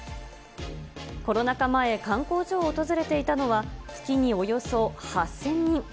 コロナ禍前、観光所を訪れていたのは、月におよそ８０００人。